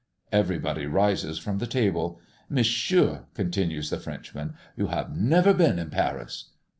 Everybody rises from the table. "Monsieur," continues the Frenchman, "you have never been in Paris."